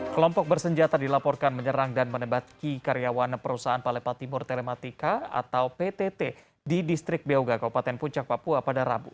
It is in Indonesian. kelompok bersenjata dilaporkan menyerang dan menebati karyawan perusahaan palepa timur telematika atau ptt di distrik beoga kabupaten puncak papua pada rabu